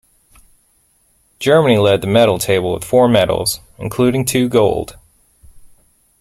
Germany led the medal table with four medals, including two gold.